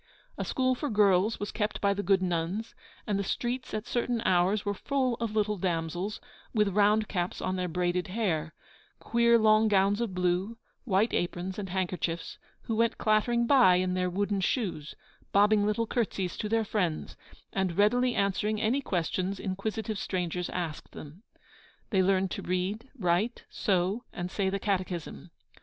A school for girls was kept by the good nuns, and the streets at certain hours were full of little damsels, with round caps on their braided hair, queer long gowns of blue, white aprons and handkerchiefs, who went clattering by in their wooden shoes, bobbing little curtsies to their friends, and readily answering any questions inquisitive strangers asked them. They learned to read, write, sew, and say the catechism.